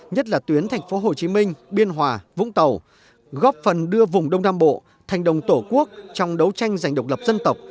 nhất là tuyến tp hcm biên hòa vũng tàu góp phần đưa vùng đông nam bộ thành đồng tổ quốc trong đấu tranh giành độc lập dân tộc